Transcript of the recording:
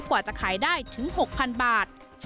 กว่าจะขายได้ถึง๖๐๐๐บาท